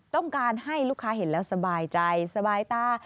ต้องการให้ลูกค้าเห็นแล้วสบายใจสบายตา